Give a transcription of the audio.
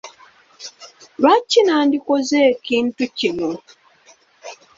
Lwaki nandikoze ekintu kino ?